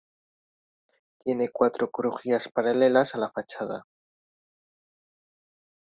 Tiene cuatro crujías paralelas a la fachada.